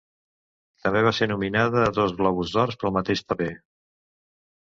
També va ser nominada a dos Globus d'Or pel mateix paper.